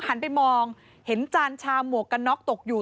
หันไปมองเห็นจานชาหมวกกันน็อกตกอยู่